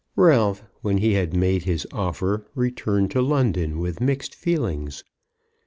Ralph when he had made his offer returned to London with mixed feelings.